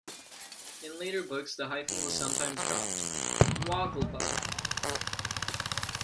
In later books the hyphen was sometimes dropped: "Wogglebug".